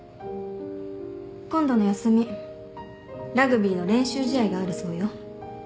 今度の休みラグビーの練習試合があるそうよ。